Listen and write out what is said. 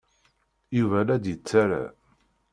Yuba la d-yettarra.